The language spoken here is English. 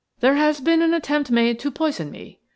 "There has been an attempt made to poison me.